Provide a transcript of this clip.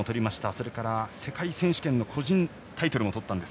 それから世界選手権の個人タイトルも取りました。